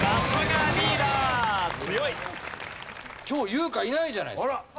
今日優香いないじゃないですか。